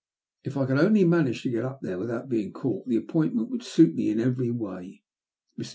If I could only manage to get up there without being caught the appointment would suit me in every way. Mr.